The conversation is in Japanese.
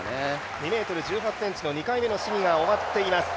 ２ｍ１８ｃｍの２回目の試技が終わっています。